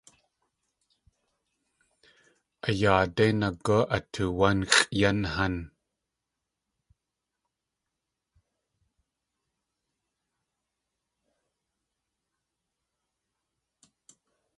A yaadéi nagú a tuwánxʼ yan hán!